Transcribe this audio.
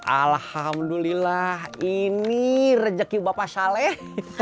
alhamdulillah ini rejeki bapak saleh